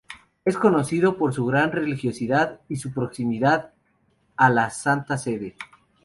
Es conocido por su gran religiosidad y su proximidad a la Santa Sede.